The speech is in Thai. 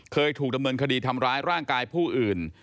เคยถูกดำเนินคดีทำร้ายร่างกายผู้อื่น